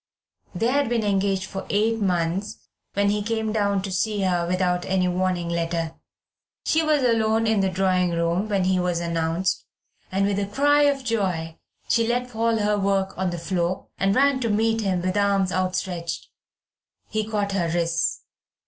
They had been engaged for eight months when he came down to see her without any warning letter. She was alone in the drawing room when he was announced, and with a cry of joy, she let fall her work on the floor, and ran to meet him with arms outstretched. He caught her wrists.